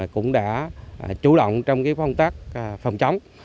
cũng đã chủ động trong cái công tác phòng trống